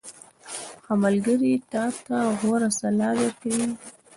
• ښه ملګری تا ته غوره سلا درکوي.